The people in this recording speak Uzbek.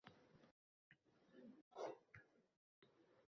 «Tortishib yurmagin past odam bilan!»